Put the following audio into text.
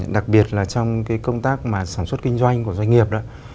đặc biệt là trong công tác sản xuất kinh doanh của doanh nghiệp